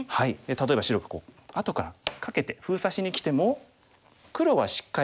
例えば白が後からカケて封鎖しにきても黒はしっかりしている。